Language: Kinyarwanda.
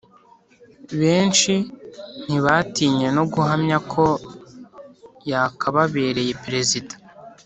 Benshi ntibatinye no guhamya ko yakababareye perezida.